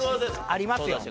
ありますよ。